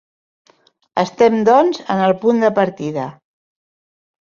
Estem doncs en el punt de partida.